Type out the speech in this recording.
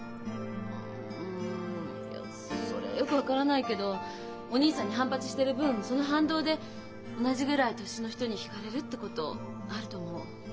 うんいやそれはよく分からないけどお義兄さんに反発してる分その反動で同じぐらい年の人にひかれるってことあると思う。